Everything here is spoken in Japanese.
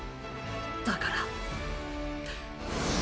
だから。